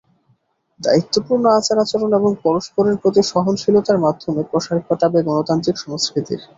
দায়িত্বপূর্ণ আচার-আচরণ এবং পরস্পরের প্রতি সহনশীলতার মাধ্যমে প্রসার ঘটাবে গণতান্ত্রিক সংস্কৃতির।